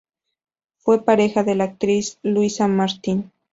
Fue pareja de la actriz Luisa Martín.